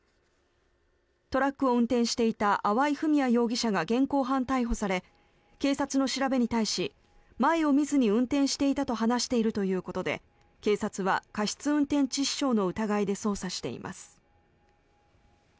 トラックを運転していた粟井文哉容疑者が現行犯逮捕され警察の調べに対し前を見ずに運転していたと話しているということで警察は過失運転致死傷の疑いで捜査しています。